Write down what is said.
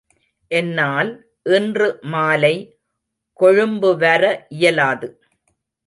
என்னால் இன்று மாலை கொழும்புவர இயலாது.